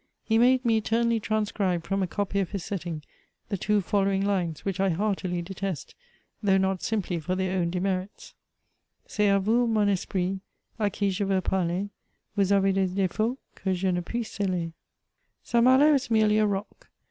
He made me eternally transcribe from a copy of his setting, the two following lines, which I heartily detest, though not simply for their own demerits :—" C'est k Yous mon esprit, k qui je yeux parler : Vous avez des d^fauts que je ne puis celer." ^ St. Malo is merely a rock.